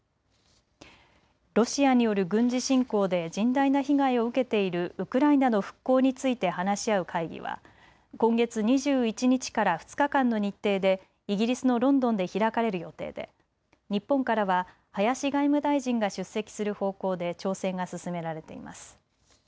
ロシアによる軍事侵攻で甚大な被害を受けているウクライナの復興について話し合う会議は今月２１日から２日間の日程でイギリスのロンドンで開かれる予定で日本からは林外務大臣が出席する方向で調整が進められています。